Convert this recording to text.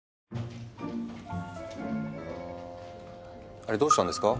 あれどうしたんですか？